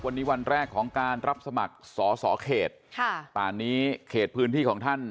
วันนี้วันแรกของการรับสมัครสอสอเขตค่ะป่านนี้เขตพื้นที่ของท่าน